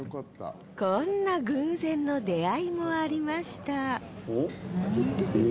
こんな偶然の出会いもありました